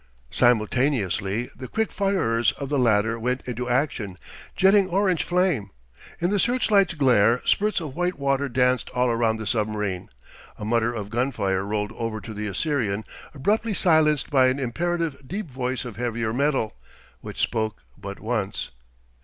Simultaneously the quickfirers of the latter went into action, jetting orange flame. In the searchlights' glare, spurts of white water danced all round the submarine. A mutter of gunfire rolled over to the Assyrian, abruptly silenced by an imperative deep voice of heavier metal which spoke but once.